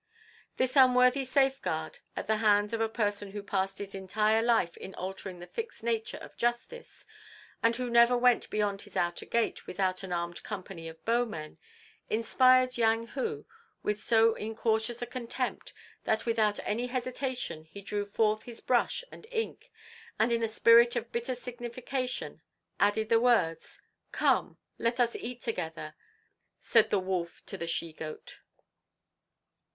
This unworthy safeguard at the hands of a person who passed his entire life in altering the fixed nature of justice, and who never went beyond his outer gate without an armed company of bowmen, inspired Yang Hu with so incautious a contempt, that without any hesitation he drew forth his brush and ink, and in a spirit of bitter signification added the words, "'Come, let us eat together,' said the wolf to the she goat."